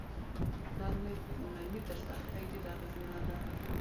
نرمي تر سختۍ ډیره اغیزمنه ده.